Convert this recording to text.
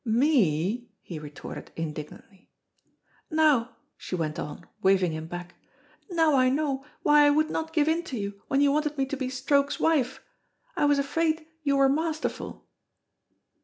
"Me!" he retorted indignantly. "Now," she went on, waving him back, "now I know why I would not give in to you when you wanted me to be Stroke's wife. I was afraid you were masterful!"